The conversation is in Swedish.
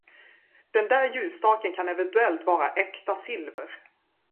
Den där ljusstaken kan eventuellt vara äkta silver.